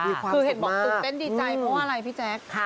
คือเห็นบอกตื่นเต้นดีใจเพราะว่าอะไรพี่แจ๊ค